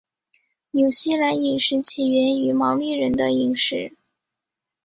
纽西兰饮食起源于毛利人的饮食。